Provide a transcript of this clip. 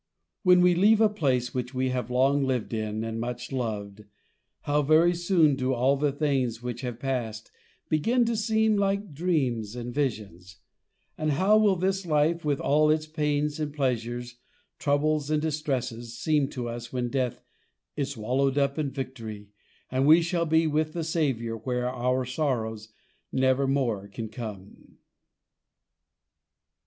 When we leave a place which we have long lived in and much loved, how very soon do all the things which have passed begin to seem like dreams and visions; and how will this life, with all its pains and pleasures, troubles and distresses, seem to us when death is swallowed up in victory, and we shall be with the Saviour where sorrow never more can come?